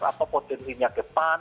apa potensinya ke pan